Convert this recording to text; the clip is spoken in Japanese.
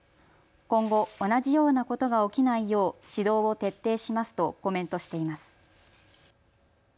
今後、同じようなことが起きないよう指導を徹底しますとコメントしています。